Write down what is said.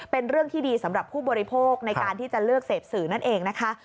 เป็นเรื่องที่ดีสำหรับผู้บริโภคในการที่จะเลือกเสพสื่อนั่นเองนะคะ